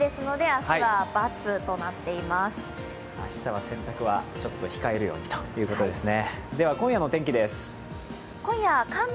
明日は洗濯はちょっと控えるようにということですね。